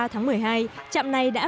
trạm này đã phát triển